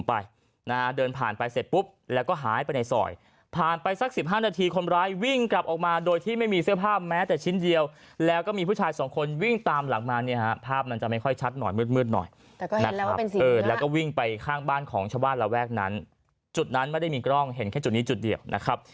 ภาพมันจะไม่ค่อยชัดหน่อยมืดหน่อยแล้วก็วิ่งไปข้างบ้านของชาวบ้านระแวกนั้นจุดนั้นไม่ได้มีกล้องเห็นแค่จุดนี้จุดเดียวนะครับ